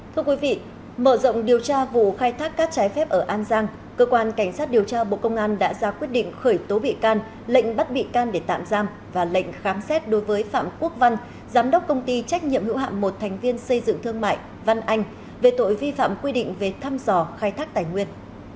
thưa quý vị mở rộng điều tra vụ khai thác cát trái phép ở an giang cơ quan cảnh sát điều tra bộ công an đã ra quyết định khởi tố bị can lệnh bắt bị can để tạm giam và lệnh khám xét đối với phạm quốc văn giám đốc công ty trách nhiệm hữu hạm một thành viên xây dựng thương mại văn anh về tội vi phạm quy định về thăm dò khai thác tài nguyên